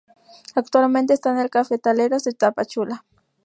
Actualmente esta en el Cafetaleros de Tapachula.